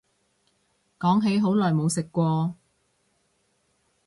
講起好耐冇食過